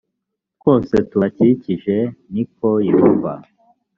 twose tubakikije ni ko yehova